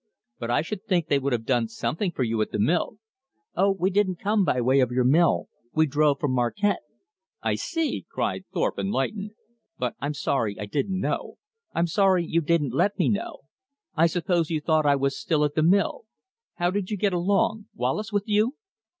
"But I should think they would have done something for you at the mill " "Oh, we didn't come by way of your mill. We drove from Marquette." "I see," cried Thorpe, enlightened. "But I'm sorry I didn't know. I'm sorry you didn't let me know. I suppose you thought I was still at the mill. How did you get along? Is Wallace with you?"